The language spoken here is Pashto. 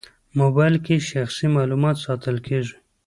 موبایل کې شخصي معلومات ساتل کېږي.